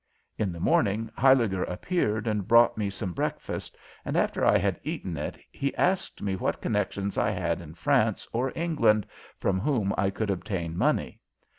In the morning Huyliger appeared and brought me some breakfast, and after I had eaten it he asked me what connections I had in France or England from whom I could obtain money.